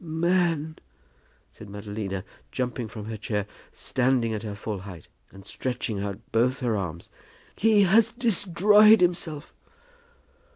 "Man," said Madalina, jumping from her chair, standing at her full height, and stretching out both her arms, "he has destroyed himself!"